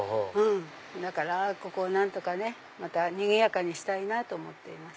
だからここを何とかねまたにぎやかにしたいと思っています。